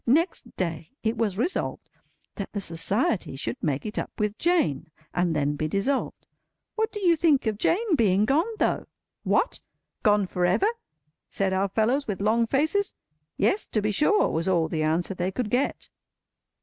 Next day, it was resolved that the Society should make it up with Jane, and then be dissolved. What do you think of Jane being gone, though! "What? Gone for ever?" said our fellows, with long faces. "Yes, to be sure," was all the answer they could get.